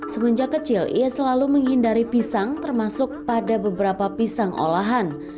semenjak kecil ia selalu menghindari pisang termasuk pada beberapa pisang olahan